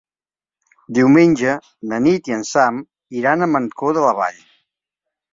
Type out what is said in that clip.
Diumenge na Nit i en Sam iran a Mancor de la Vall.